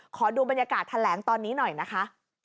ขอดูบรรยากาศแถลงตอนนี้หน่อยนะคะ